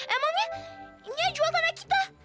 emangnya ini aja jual tanah kita